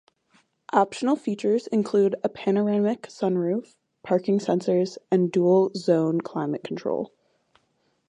Optional features included a panoramic sunroof, parking sensors and dual-zone climate control.